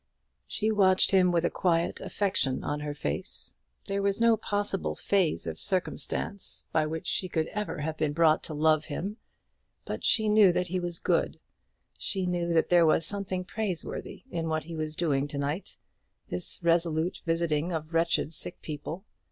She watched him with a quiet affection on her face. There was no possible phase of circumstance by which she could ever have been brought to love him; but she knew that he was good, she knew that there was something praiseworthy in what he was doing to night, this resolute visiting of wretched sick people.